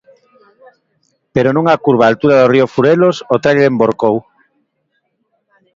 Pero nunha curva a altura do río Furelos o tráiler envorcou.